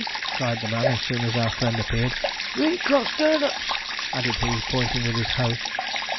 cried the man as soon as our friend appeared; 'reet 'cross tornops!' added he, pointing with his hoe.